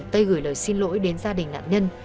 tây gửi lời xin lỗi đến gia đình nạn nhân